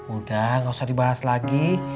udah gak usah dibahas lagi